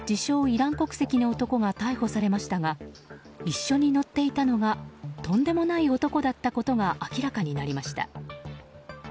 イラン国籍の男が逮捕されましたが一緒に乗っていたのがとんでもない男だったことが明らかになりました。